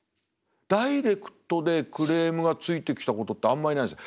ダイレクトでクレームがついてきたことってあんまりないです。